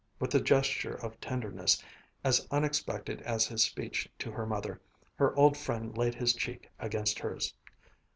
With a gesture of tenderness, as unexpected as his speech to her mother, her old friend laid his cheek against hers.